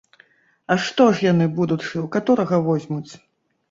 А што ж яны, будучы, у каторага возьмуць?